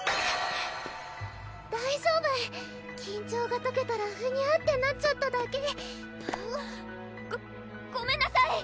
⁉大丈夫緊張がとけたらふにゃってなっちゃっただけごごめんなさい！